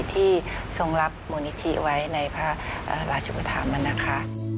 ที่ทรงรับมูลนิธิไว้ในพระราชุปธรรมนะคะ